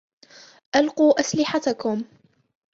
ألقوا أسلحتكم!